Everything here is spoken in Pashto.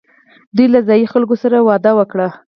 دوی له ځايي خلکو سره واده وکړ